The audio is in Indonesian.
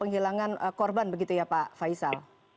pembuangan begitu ya pak faisal